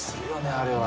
あれは。